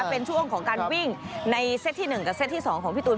เป็นช่วงของการวิ่งในเซตที่๑กับเซตที่๒ของพี่ตูน